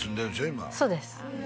今そうです